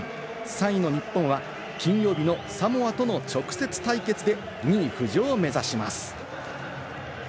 ３位の日本は金曜日のサモアとの直接対決で２位浮上を目指します。